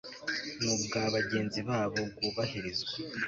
n ubwa bagenzi babo bwubahirizwa